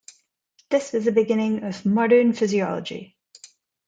This was the beginning of modern physiology.